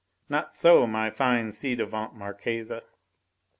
Not so, my fine ci devant Marquise.